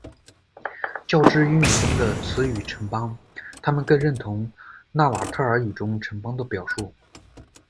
较之英语中的词语“城邦”，他们更认同纳瓦特尔语中城邦的表述。